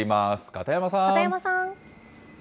片山さん。